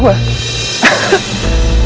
boleh boleh boleh banget